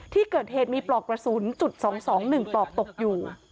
ที่เกิดเหตุมีปลอกกระสุนจุด๒๒๑ปลอกตกอยู่